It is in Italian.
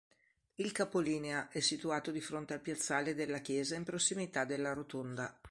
Il capolinea è situato di fronte al piazzale della chiesa in prossimità della rotonda.